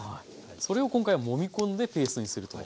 それを今回はもみ込んでペーストにすると。